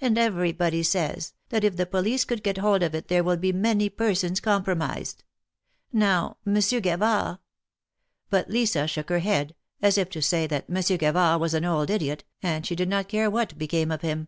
And everybody says, that if the police could get hold of it there will be many persons compromised. Now, Monsieur Gavard — But Lisa shook her head, as if to say that Monsieur Gavard was an old idiot, and she did not care what became of him.